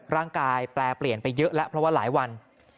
แปลเปลี่ยนไปเยอะแล้วเพราะว่าหลายวัน